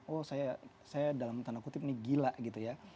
oh saya dalam tanda kutip ini gila gitu ya